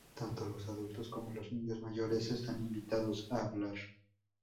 Tanto los adultos como los niños mayores están invitados a hablar.